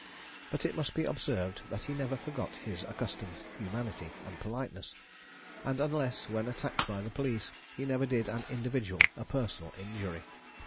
But it must be observed that he never forgot his accustomed humanity and politeness; and, unless when attacked by the police, he never did an individual a personal injury.